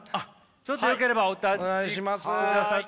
ちょっとよければお立ちくださって。